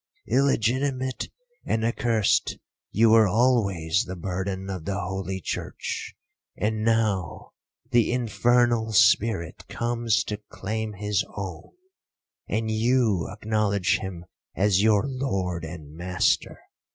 Illegitimate and accursed, you were always the burden of the holy church; and now, the infernal spirit comes to claim his own, and you acknowledge him as your lord and master.